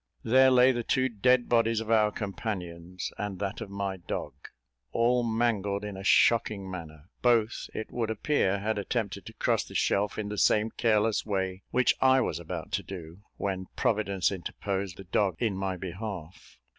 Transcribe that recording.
There lay the two dead bodies of our companions, and that of my dog, all mangled in a shocking manner; both, it would appear, had attempted to cross the shelf in the same careless way which I was about to do, when Providence interposed the dog in my behalf.